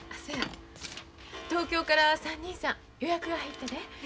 そや東京から３人さん予約が入ってね。